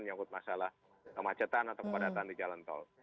menyangkut masalah kemacetan atau kepadatan di jalan tol